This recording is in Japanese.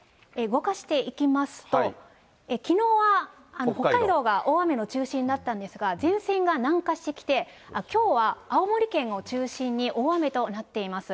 動かしていきますと、きのうは北海道が大雨の中心だったんですが、前線が南下してきて、きょうは青森県を中心に大雨となっています。